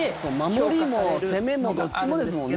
守りも攻めもどっちもですもんね。